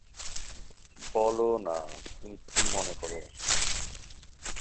বলো -না, তুমি কী মনে কর।